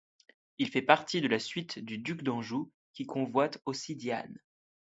Il fait partie de la suite du duc d'Anjou, qui convoite aussi Diane.